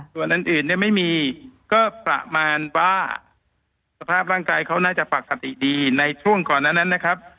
ส่วนอื่นเนี่ยไม่มีก็ประมาณว่าสภาพร่างกายเขาน่าจะปกติดีในช่วงก่อนนั้นนะครับ